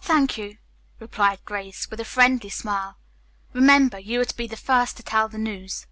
"Thank you," replied Grace, with a friendly smile. "Remember, you are to be the first to tell the news."